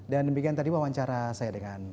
dan demikian tadi wawancara saya dengan